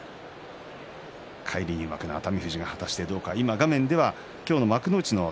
返り入幕の熱海富士が果たしてどうか。